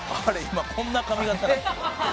今こんな髪形なん？